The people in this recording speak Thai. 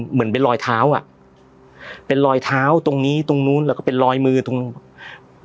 เหมือนเป็นรอยเท้าอ่ะเป็นรอยเท้าตรงนี้ตรงนู้นแล้วก็เป็นรอยมือตรง